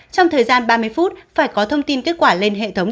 trong thời gian ba mươi phút phải có thông tin kết quả lên hệ thống